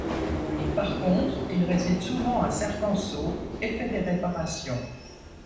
Par contre, il réside souvent à Cercanceaux et fait des réparations.